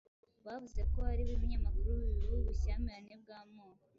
Bavuze ko hariho ibinyamakuru bibiba ubushyamirane bw'amoko,